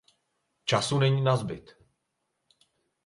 Času není nazbyt.